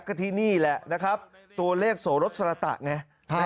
ก็ที่นี่แหละนะครับตัวเลขโสรสสรตะไง